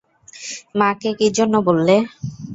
মা কে কী জন্য বললে?